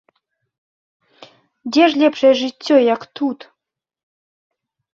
Дзе ж лепшае жыццё, як тут?